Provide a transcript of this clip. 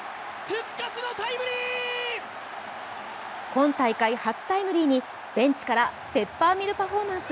今大会初タイムリーにベンチからペッパーミルパフォーマンス。